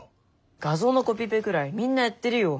画像のコピペぐらいみんなやってるよ。